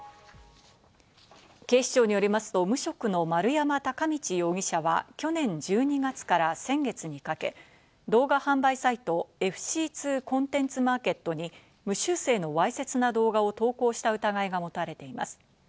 警視庁によりますと、無職の丸山敬道容疑者は、去年１２月から先月にかけ動画販売サイト、ＦＣ２コンテンツマーケットに無修正のわいせつな動画を投稿した疑いが持たれています。